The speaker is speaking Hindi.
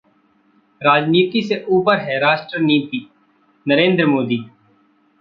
राजनीति से ऊपर है राष्ट्रनीति: नरेंद्र मोदी